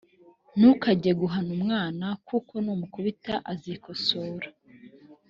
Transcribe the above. ntukange guhana umwana kuko numukubita azikosora